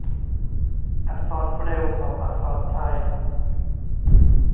อักษรเบรลล์ของอักษรไทย